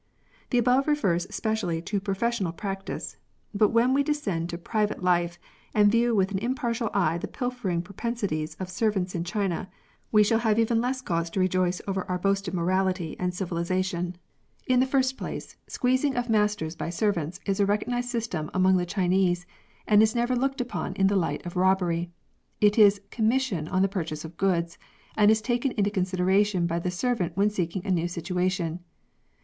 The above refers specially to professional practice, but when we descend to private life, and view with an impartial eye the pilfering propensities of servants in China, we shall have even less cause to rejoice over our boasted morality THIEVING. 121 and civilisation. In the first place, squeezing of masters by servants is a recognised system among the Chinese, and is never looked upon in the light of robbery. It is commission on the purchase of goods, and is taken into consideration by the servant when seeking a new situation.